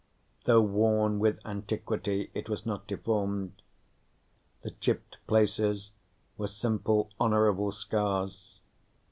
Though worn with antiquity, it was not deformed. The chipped places were simple honorable scars.